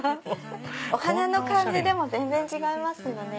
お花の感じでも全然違いますよね。